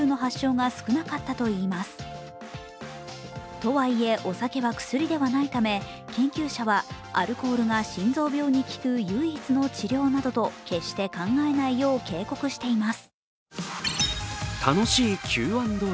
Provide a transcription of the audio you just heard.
とはいえ、お酒は薬ではないため研究者はアルコールが心臓病に効く唯一の治療などと、決して考えないよう警告しています。